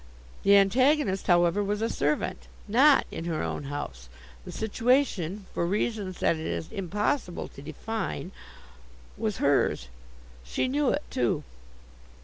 The antagonist, however, was a servant, not in her own house. The situation, for reasons that it is impossible to define, was hers. She knew it, too.